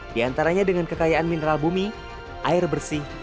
di antaranya dengan kekayaan mineral bumi air bersih